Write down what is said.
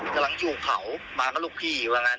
กำลังอยู่เขามาอยู่กับลูกพี่อยู่อย่างงั้น